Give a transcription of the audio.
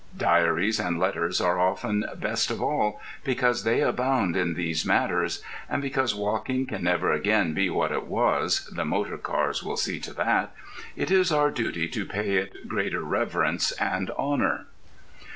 Diaries and letters are often best of all because they abound in these matters. And because walking can never again be what it was—the motorcars will see to that—it is our duty to pay it greater reverence and honour.